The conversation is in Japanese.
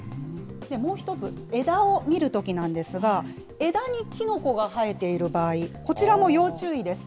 もう１つ、枝を見るときなんですが、枝にキノコが生えている場合、こちらも要注意です。